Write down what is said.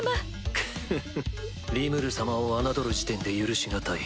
クフフリムル様を侮る時点で許しがたい。